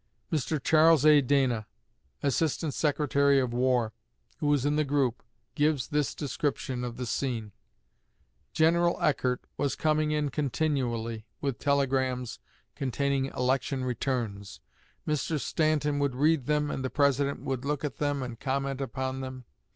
Mr. Charles A. Dana, Assistant Secretary of War, who was in the group, gives this description of the scene: "General Eckert was coming in continually with telegrams containing election returns. Mr. Stanton would read them, and the President would look at them and comment upon them.